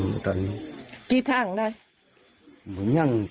ไม่ใช่ซ่องทาง